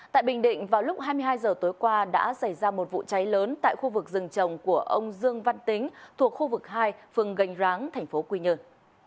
tại bình định vào lúc hai mươi hai h tối qua đã xảy ra một vụ cháy lớn tại khu vực rừng trồng của ông dương văn tính thuộc khu vực hai phường gành ráng tp quy nhơn